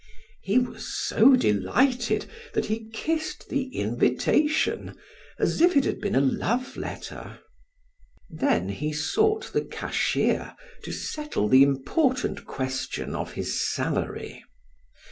He was so delighted that he kissed the invitation as if it had been a love letter. Then he sought the cashier to settle the important question of his salary.